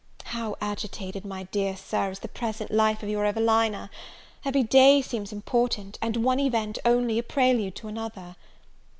HOW agitated, my dear Sir, is the present life of your Evelina! every day seems important, and one event only a prelude to another.